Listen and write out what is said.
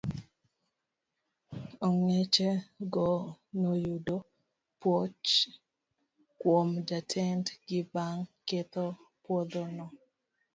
Ong'eche go noyudo puoch kuom jatend gi bang' ketho puodhono.